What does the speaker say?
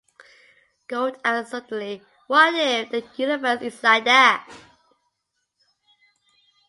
"Gold asked suddenly, "What if the universe is like that?